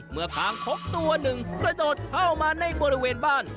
คางคกตัวหนึ่งกระโดดเข้ามาในบริเวณบ้าน